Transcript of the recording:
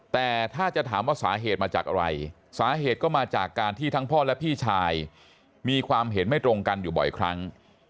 แต่ถ้าจะถามว่าสาเหตุมาจากอะไรสาเหตุก็มาจากการที่ทั้งพ่อและพี่ชายมีความเห็นไม่ตรงกันอยู่บ่อยครั้ง